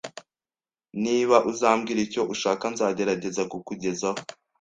Niba uzambwira icyo ushaka, nzagerageza kukugezaho